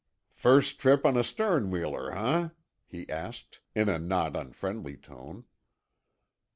"First trip on a sternwheeler, huh?" he asked, in a not unfriendly tone.